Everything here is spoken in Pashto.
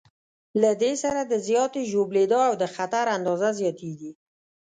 له دې سره د زیاتې ژوبلېدا او د خطر اندازه زیاتېږي.